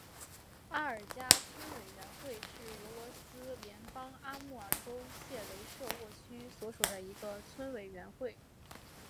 阿尔加村委员会是俄罗斯联邦阿穆尔州谢雷舍沃区所属的一个村委员会。